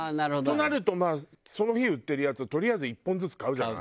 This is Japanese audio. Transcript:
となるとまあその日売ってるやつをとりあえず１本ずつ買うじゃない？